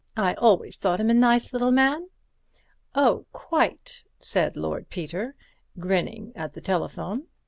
I always thought him a nice little man." "Oh, quite," said Lord Peter, grinning at the telephone.